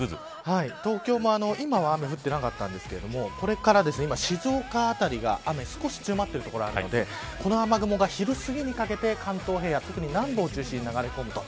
東京も、今は雨降ってなかったんですけれどもこれから今、静岡辺りが雨、少し強まっている所があるのでこの雨雲が昼すぎにかけて関東平野特に南部を中心に流れ込むと。